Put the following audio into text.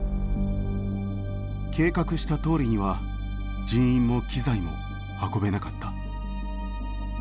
「計画した通りには人員も機材も運べなかった」